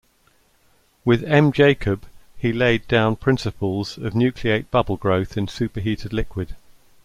With M. Jakob he laid down principles of nucleate bubble growth in superheated liquid.